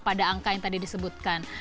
pada angka yang tadi disebutkan